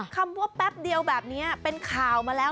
คำว่าแป๊บเดียวแบบนี้เป็นข่าวมาแล้ว